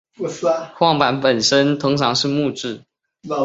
晃板本身通常是木制。